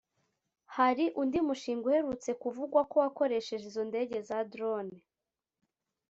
Hari undi mushinga uherutse kuvugwa ko wakoresha izo ndege za Drone